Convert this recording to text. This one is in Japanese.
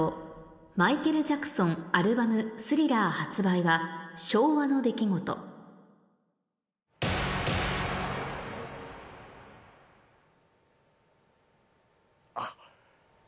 マイケル・ジャクソンアルバム『スリラー』発売は昭和の出来事あっ。